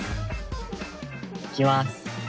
いきます。